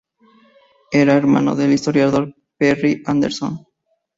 Era hermano del historiador Perry Anderson.